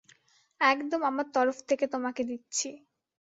একদম আমার তরফ থেকে তোমাকে দিচ্ছি।